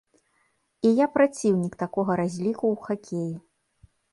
І я праціўнік такога разліку ў хакеі.